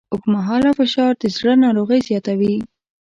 اوږدمهاله فشار د زړه ناروغۍ زیاتوي.